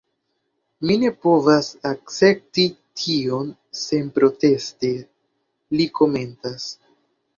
Mi ne povas akcepti tion senproteste, li komentas.